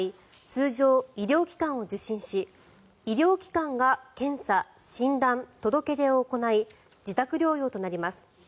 通常、医療機関を受診し医療機関が検査、診断、届け出を行い自宅療養となります。